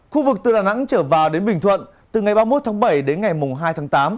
khu vực từ đà nẵng trở vào đến bình thuận từ ngày ba mươi một tháng bảy đến ngày hai tháng tám